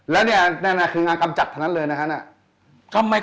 แล้วเนี่ยคืองานกำจัดเท่านั้นเลยนะครับ